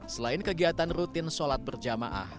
selain kegiatan rutin sholat berjamaah